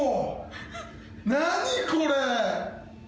何これ！